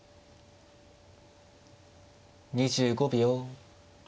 ２５秒。